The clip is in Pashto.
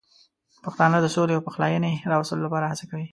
پښتانه د سولې او پخلاینې راوستلو لپاره هڅه کوي.